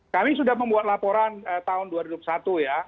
kami sudah membuat aplikasi